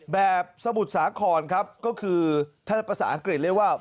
แบบสะบุดสาขอนครับก็คือทางภาษาอังกฤษเรียกว่า